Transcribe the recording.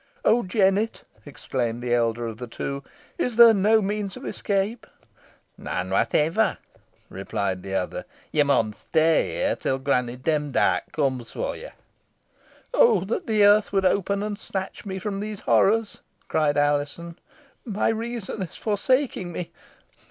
"Oh, Jennet!" exclaimed the elder of the two, "is there no means of escape?" "None whatever," replied the other. "Yo mun stay here till Granny Demdike cums fo ye." "Oh! that the earth would open and snatch me from these horrors," cried Alizon. "My reason is forsaking me.